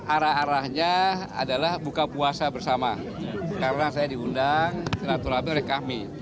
arah arahnya adalah buka puasa bersama karena saya diundang silaturahmi oleh kami